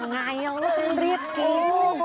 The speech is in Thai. เขาแข็งไงรีบกิน